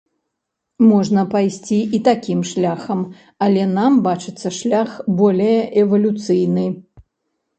Можна пайсці і такім шляхам, але нам бачыцца шлях болей эвалюцыйны.